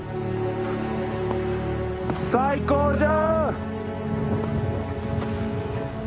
最高じゃ！